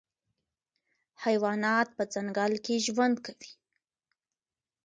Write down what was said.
حیوانات په ځنګل کې ژوند کوي.